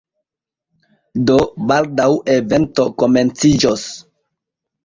Do, baldaŭ evento komenciĝos